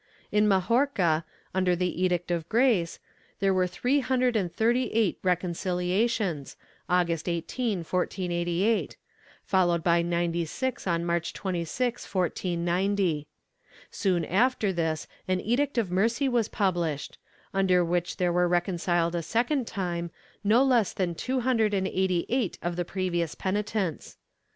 In Majorca, under the Edict of Grace, there were three hundred and thirty eight reconciliations, August 18, 1488, followed by ninety six on March 26, 1490. Soon after this an Edict of Mercy was published, under which there were reconciled a second time no less than two hundred and eighty eight of the previous penitents.